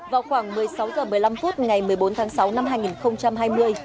vào khoảng một mươi sáu h một mươi năm phút ngày một mươi bốn tháng sáu năm hai nghìn hai mươi